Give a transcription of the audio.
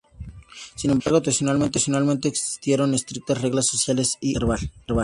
Sin embargo, tradicionalmente existieron estrictas reglas sociales a observar.